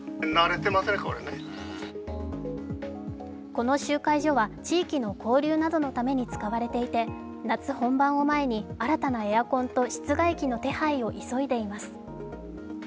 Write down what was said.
この集会所は地域の交流などのために使われていて夏本番を前に新たなエアコンと室外機の手配を急いでいます。